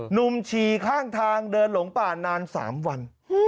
หนุ่มฉีดข้างทางเดินหลงป่านนาน๓วัน